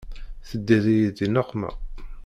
Teddiḍ-iyi di nneqma.